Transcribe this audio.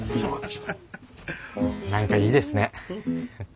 何かいいですね。